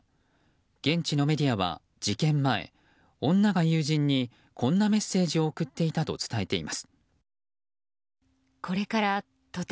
現地のメディアは事件前、女が友人にこんなメッセージを送っていたと伝えています。